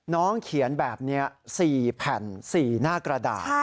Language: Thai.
น้องเขียนแบบนี้๔แผ่น๔หน้ากระดาษ